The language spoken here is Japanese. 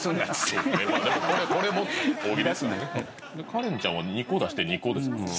カレンちゃんは２個出して２個ですからね。